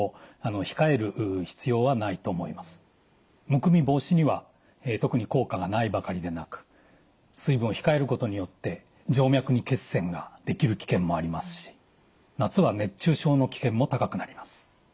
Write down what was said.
むくみ防止には特に効果がないばかりでなく水分を控えることによって静脈に血栓ができる危険もありますし夏は熱中症の危険も高くなります。